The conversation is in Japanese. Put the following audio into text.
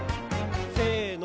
せの。